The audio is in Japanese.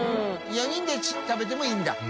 ４人で食べてもいいんだ？